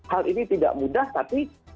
hal ini tidak mudah tapi